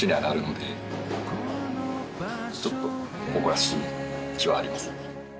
ちょっと誇らしい気はありますね。